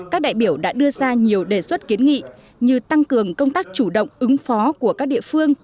các đại biểu đã đưa ra nhiều đề xuất kiến nghị như tăng cường công tác chủ động ứng phó của các địa phương